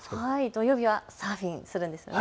土曜日はサーフィンするんですね。